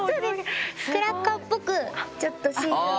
クラッカーっぽくちょっとシールを。